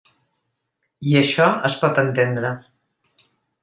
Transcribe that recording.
I això es pot entendre.